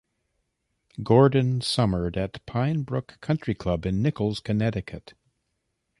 Gordon summered at Pine Brook Country Club in Nichols, Connecticut.